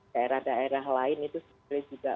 daerah daerah lain itu sebenarnya juga